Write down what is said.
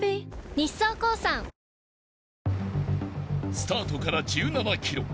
［スタートから１７ｋｍ